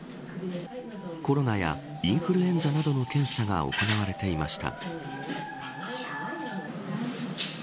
コロナやインフルエンザなどの検査が行われていました。